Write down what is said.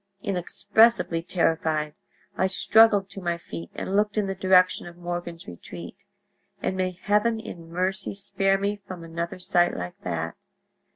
Inexpressibly terrified, I struggled to my feet and looked in the direction of Morgan's retreat; and may heaven in mercy spare me from another sight like that!